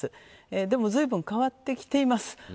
でも、ずいぶん変わってきています。